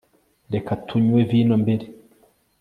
reka tunywe vino mbere